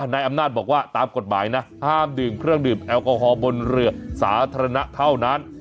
นายอำนาจบอกว่าตามกฎหมายนะห้ามดื่มเครื่องดื่มแอลกอฮอล์บนเรือสาธารณะเท่านั้น